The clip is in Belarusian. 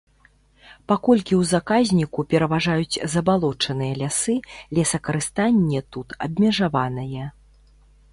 Паколькі ў заказніку пераважаюць забалочаныя лясы, лесакарыстанне тут абмежаванае.